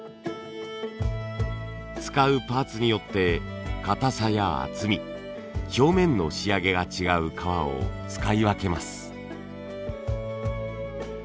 使うパーツによって硬さや厚み表面の仕上げが違う革を使い分けます。